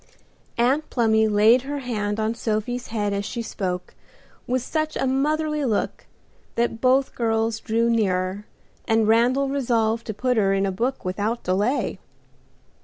Aunt Plumy laid her hand on Sophie's head as she spoke, with such a motherly look that both girls drew nearer, and Randal resolved to put her in a book without delay.